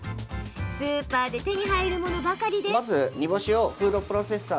スーパーで手に入るものばかり。